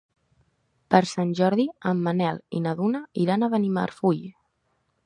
Per Sant Jordi en Manel i na Duna iran a Benimarfull.